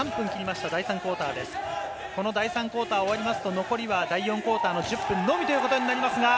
この第３クオーターが終わりますと、第４クオーターの１０分のみということになります。